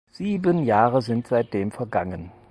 Sieben Jahre sind seitdem vergangen.